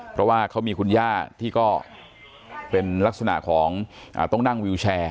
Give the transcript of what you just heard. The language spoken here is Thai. เพราะว่าเขามีคุณย่าที่ก็เป็นลักษณะของต้องนั่งวิวแชร์